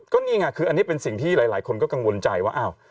ก็นี่ไงคืออันนี้เป็นสิ่งที่หลายคนก็กังวลใจว่าอ้าว